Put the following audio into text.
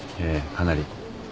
ええかなり。